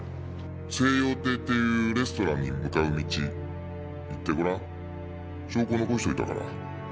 西洋亭っていうレストランに向かう道行ってごらん」「証拠残しといたから。